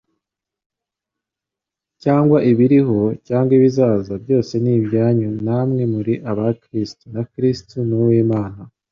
cyangwa ibiriho cyangwa ibizaza byose ni ibyanyu na mwe muri aba Kristo, na Kristo ni uw'Imana."»